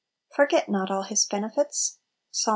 'Forget not all His benefits."— Ps.